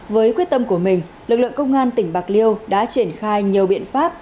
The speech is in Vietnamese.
với quyết tâm của mình lực lượng công an tỉnh bạc liêu đã triển khai nhiều biện pháp